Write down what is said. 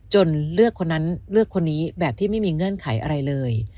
เลือกคนนั้นเลือกคนนี้แบบที่ไม่มีเงื่อนไขอะไรเลย